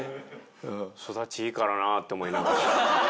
育ちいいからなって思いながら。